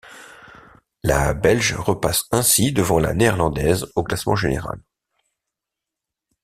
La Belge repasse ainsi devant la Néerlandaise au classement général.